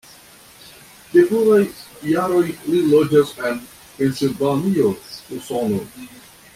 De pluraj jaroj li loĝas en Pensilvanio, Usono.